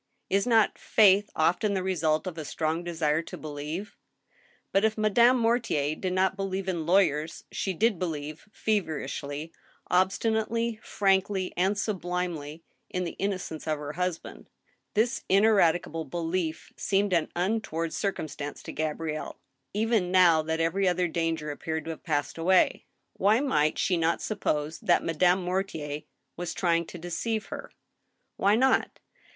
Is not faith often the result of a strong desire to believe ? But if Madame Mortier did not believe in lawyers she did believe, feverishly, obstinately, frankly, and sublimely, in the innocence of her husband. This ineradicable belief seemed an untoward cir^ cumstance to Gabrielle, even now that every other danger appeared to have passed away. Why might she not suppose that Madame Mortier was trying to deceive her ? Why not?